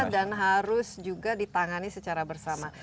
harus juga ditangani secara bersama